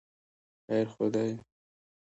خیر خو دی.